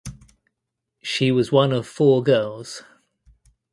She was one of four girls.